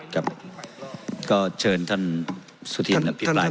ครับก็เชิญท่านสุธินอภิปรายต่อนะครับ